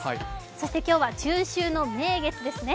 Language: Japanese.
そして今日は中秋の名月ですね。